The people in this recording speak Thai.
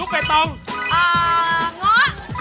ไตโง